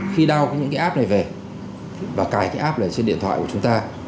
khi đao những cái app này về và cài cái app này trên điện thoại của chúng ta